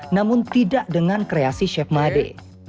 namun tidak dengan kreasi chef made